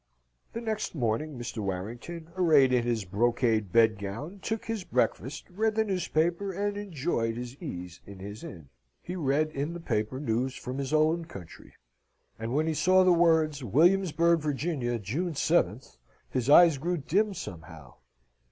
The next morning Mr. Warrington, arrayed in his brocade bedgown, took his breakfast, read the newspaper, and enjoyed his ease in his inn. He read in the paper news from his own country. And when he saw the words, Williamsburg, Virginia, June 7th, his eyes grew dim somehow.